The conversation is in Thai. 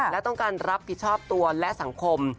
และต้องการรับผิดชอบตัวและสังคม